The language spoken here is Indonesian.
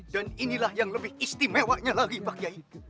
dan inilah yang lebih istimewanya lagi pak kiai